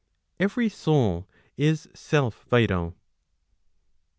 Every soul is self vital.